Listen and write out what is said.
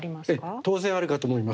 当然あるかと思います。